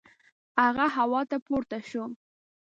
هغه هوا ته پورته شو.